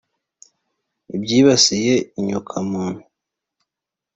ibyibasiye inyoko muntu